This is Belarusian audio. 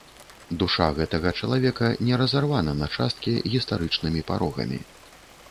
Душа гэтага чалавека не разарвана на часткі гістарычнымі парогамі.